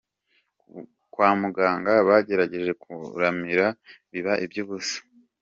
Kwa muganga bagerageje kumuramira biba iby’ubusa.